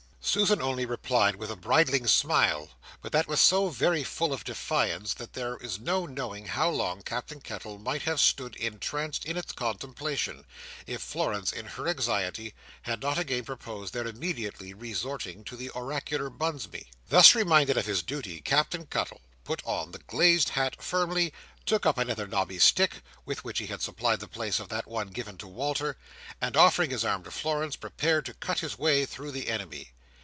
Susan only replied with a bridling smile, but that was so very full of defiance, that there is no knowing how long Captain Cuttle might have stood entranced in its contemplation, if Florence in her anxiety had not again proposed their immediately resorting to the oracular Bunsby. Thus reminded of his duty, Captain Cuttle put on the glazed hat firmly, took up another knobby stick, with which he had supplied the place of that one given to Walter, and offering his arm to Florence, prepared to cut his way through the enemy.